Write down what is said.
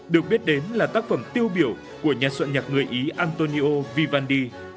được biết đến là tác phẩm tiêu biểu của nhà soạn nhạc người ý antonio vivandi